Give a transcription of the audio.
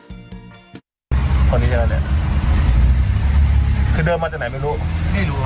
คนนี้ใช่ไหมครับเนี่ยคือเดินมาจากไหนไม่รู้